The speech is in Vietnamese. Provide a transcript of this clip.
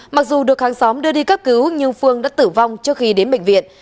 mặc dù được hàng xóm đưa đi cấp cứu nhưng phương đã tử vong trước khi đến bệnh viện